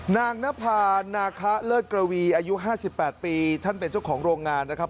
นางนภานาคะเลิศกระวีอายุ๕๘ปีท่านเป็นเจ้าของโรงงานนะครับ